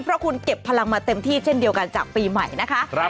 เพราะคุณเก็บพลังมาเต็มที่เช่นเดียวกันจากปีใหม่นะคะ